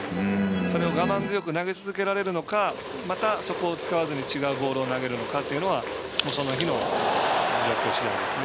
それを我慢強く投げ続けられるのかまた、そこを使わずに違うボールを投げるのかというのはその日の状況しだいですね。